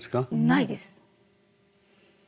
ないです。